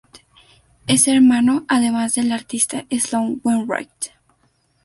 Es hermano además de la artista Sloan Wainwright.